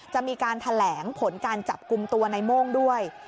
จะมีการแถลงผลการจับกลุ่มตัวในโม่งด้วย